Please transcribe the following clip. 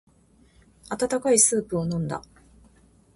温かいスープを飲んだ。